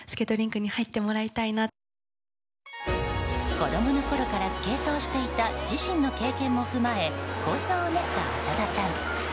子供のころからスケートをしていた自身の経験も踏まえ構想を練った浅田さん。